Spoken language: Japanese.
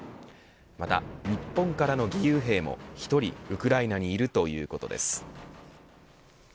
また日本からの義勇兵も１人ウクライナにいるということです。